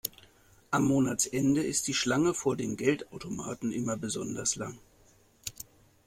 Am Monatsende ist die Schlange vor dem Geldautomaten immer besonders lang.